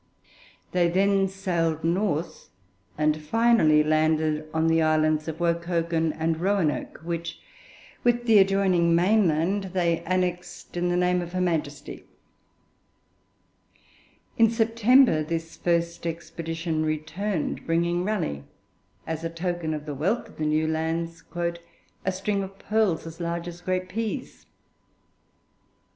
They then sailed north, and finally landed on the islands of Wokoken and Roanoke, which, with the adjoining mainland, they annexed in the name of her Majesty. In September this first expedition returned, bringing Raleigh, as a token of the wealth of the new lands, 'a string of pearls as large as great peas.'